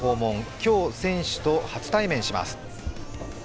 今日、選手と初対面します。